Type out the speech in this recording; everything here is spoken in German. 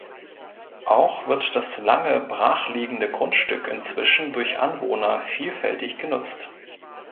Auch wird das lange brachliegende Grundstück inzwischen durch Anwohner vielfältig genutzt.